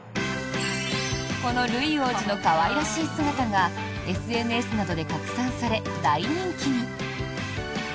このルイ王子の可愛らしい姿がＳＮＳなどで拡散され大人気に。